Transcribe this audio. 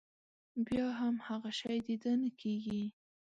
بيا هم هغه شی د ده نه کېږي.